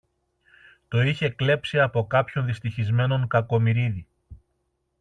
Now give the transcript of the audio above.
Το είχε κλέψει από κάποιο δυστυχισμένον Κακομοιρίδη